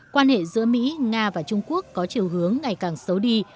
quan hệ giữa mỹ nga và trung quốc có chiều hướng ngày càng xấu đi